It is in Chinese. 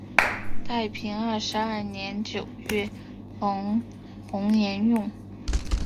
太平二十二年九月冯弘沿用。